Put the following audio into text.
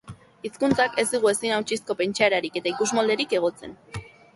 Hizkuntzak ez digu ezin hautsizko pentsaerarik eta ikusmolderik egozten.